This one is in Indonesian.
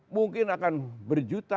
mungkin akan berjuta